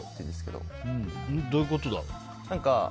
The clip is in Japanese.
どういうことだろう？